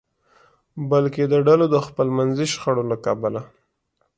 بلکې د ډلو د خپلمنځي شخړو له کبله.